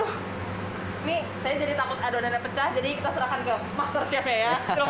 ini saya jadi takut adonannya pecah jadi kita serahkan ke master chef ya